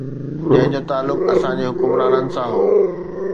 جنهن جو تعلق اسان جي حڪمرانن سان هو